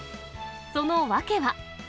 その訳は。